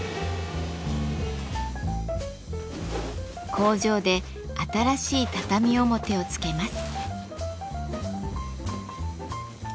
工場で新しい畳表を付けます。